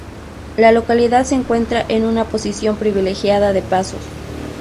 La localidad se encuentra en una posición privilegiada de pasos.